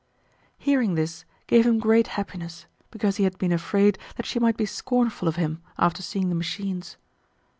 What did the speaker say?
Hearing this gave him great happiness because he had been afraid that she might be scornful of him after seeing the machines.